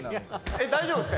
大丈夫ですか？